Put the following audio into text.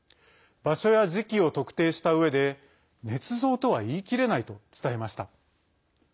場所や時期を特定したうえでねつ造とは言い切れないと伝えました。